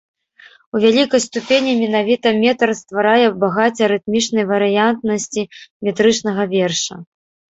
У вялікай ступені менавіта метр стварае багацце рытмічнай варыянтнасці метрычнага верша.